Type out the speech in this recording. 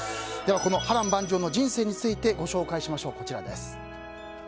その波乱万丈の人生についてご紹介しましょう。